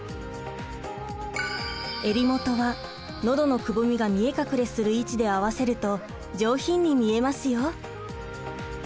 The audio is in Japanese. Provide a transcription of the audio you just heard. えり元はのどのくぼみが見え隠れする位置で合わせると上品に見えますよ！